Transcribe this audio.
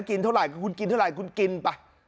เท่าไหร่คุณกินเท่าไหร่คุณกินไป